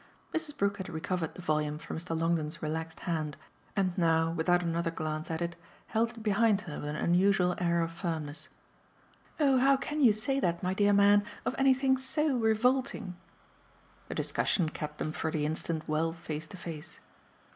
Mrs. Brook had recovered the volume from Mr. Longdon's relaxed hand and now, without another glance at it, held it behind her with an unusual air of firmness. "Oh how can you say that, my dear man, of anything so revolting?" The discussion kept them for the instant well face to face.